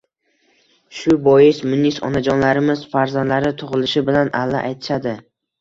Shu bois munis onajonlarimiz farzandlari tug‘ilishi bilan alla aytishadi